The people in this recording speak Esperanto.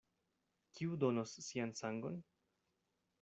Kiu donos sian sangon?